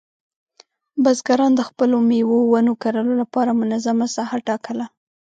بزګران د خپلو مېوې ونو کرلو لپاره منظمه ساحه ټاکله.